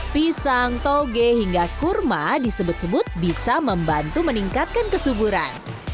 pisang toge hingga kurma disebut sebut bisa membantu meningkatkan kesuburan